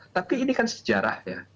tapi ini kan sejarah ya